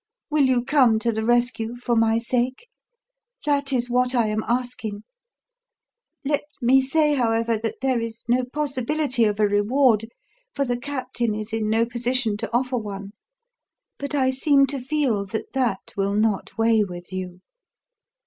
Will you come to the rescue, for my sake? That is what I am asking. Let me say, however, that there is no possibility of a reward, for the captain is in no position to offer one; but I seem to feel that that will not weigh with you.